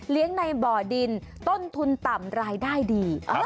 ในบ่อดินต้นทุนต่ำรายได้ดี